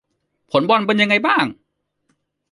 ผลบอลเป็นยังไงบ้าง